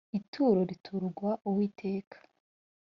ituro riturwa uwiteka .